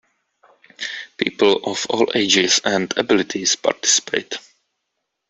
People of all ages and abilities participate.